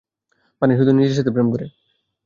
বানি শুধু নিজের সাথে প্রেম করে।